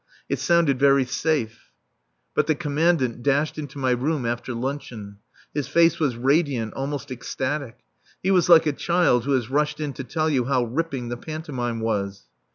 It sounded very safe. But the Commandant dashed into my room after luncheon. His face was radiant, almost ecstatic. He was like a child who has rushed in to tell you how ripping the pantomime was.